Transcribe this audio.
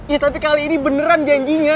ya tapi kali ini beneran janjinya